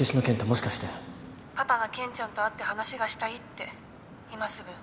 パパが健ちゃんと会って話がしたいって今すぐ。